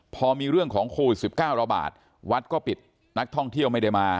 พอมีเรื่องของโควิด๑๙ระบาดวัดก็ปิดนักท่องเที่ยวไม่ได้มา